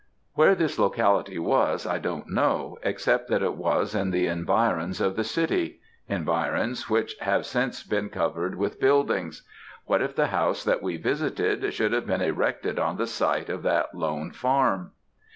"Where this locality was, I don't know, except that it was in the environs of the city environs which have since been covered with buildings; what if the house that we visited should have been erected on the site of that lone farm!